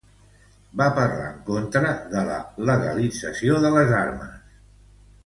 Va parlar en contra de la legalització de les armes.